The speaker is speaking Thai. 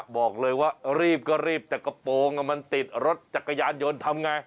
บอกเลยว่ารีบก็รีบแต่กระโปรงมันติดรถจักรยานยนต์ทำไง